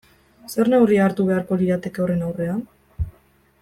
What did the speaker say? Zer neurri hartu beharko lirateke horren aurrean?